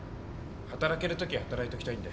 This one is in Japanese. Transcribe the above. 働けるとき働いときたいんで。